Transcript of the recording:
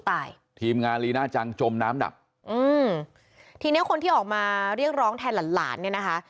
ตายทีมงานน้าจังจมน้ำดับที่แล้วคนที่ออกมาเรียกร้องแทนหลายนะ